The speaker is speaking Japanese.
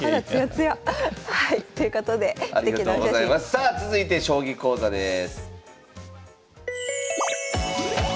さあ続いて将棋講座です。